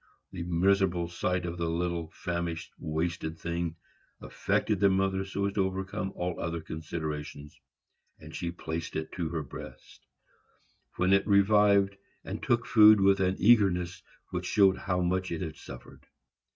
The miserable sight of the little, famished, wasted thing affected the mother so as to overcome all other considerations, and she placed it to her breast, when it revived, and took food with an eagerness which showed how much it had suffered.